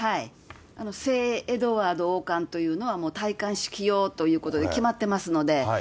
聖エドワード王冠というのは、もう戴冠式用ということで決まってますので。